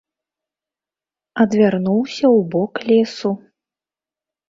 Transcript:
Адвярнуўся ў бок лесу.